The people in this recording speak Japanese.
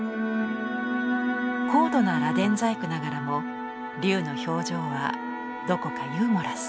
高度な螺鈿細工ながらも龍の表情はどこかユーモラス。